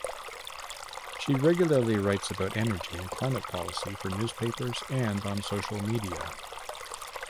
She regularly writes about energy and climate policy for newspapers and on social media.